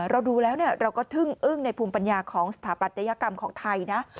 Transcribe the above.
เราดูแล้วเราก็ทึ่งอึ้งในภูมิปัญญาของสถาปัตยกรรมของไทยนะ